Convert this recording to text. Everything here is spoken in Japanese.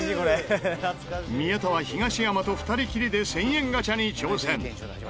宮田は東山と２人きりで１０００円ガチャに挑戦。